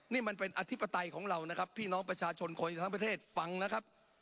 นี่มันเป็นอธิปไตยของเรานะครับพี่น้องประชาชนคนทั้งประเทศฟังนะครับ